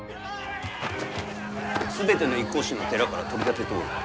全ての一向宗の寺から取り立てておる。